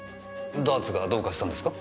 ダーツがどうかしたんですか？